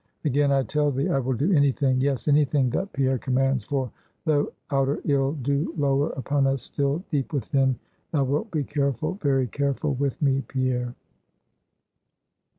Again I tell thee, I will do any thing yes, any thing that Pierre commands for, though outer ill do lower upon us, still, deep within, thou wilt be careful, very careful with me, Pierre?"